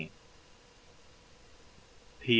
P.